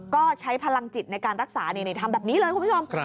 ก็ใช้พลังจิตในการรักษานี่ทำแบบนี้เลยคุณผู้ชม